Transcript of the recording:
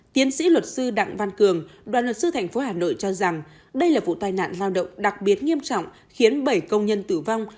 tiến sĩ luật sư đặng văn cường đoàn luật sư tp hà nội cho rằng đây là vụ tai nạn lao động đặc biệt nghiêm trọng khiến bảy công nhân tử vong